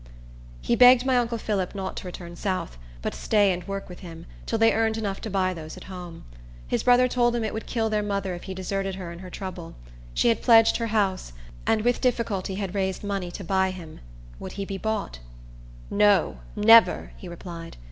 He begged my uncle Phillip not to return south; but stay and work with him, till they earned enough to buy those at home. His brother told him it would kill their mother if he deserted her in her trouble. She had pledged her house, and with difficulty had raised money to buy him. Would he be bought? "No, never!" he replied.